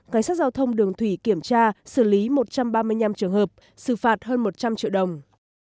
cảnh sát giao thông đường thủy kiểm tra xử lý một trăm ba mươi năm trường hợp xử phạt hơn một trăm linh triệu đồng